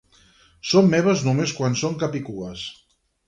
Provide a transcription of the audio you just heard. Són meves només quan són capicues.